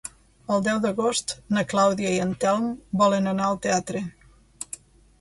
El deu d'agost na Clàudia i en Telm volen anar al teatre.